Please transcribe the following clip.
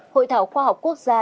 hội thảo khoa học quốc gia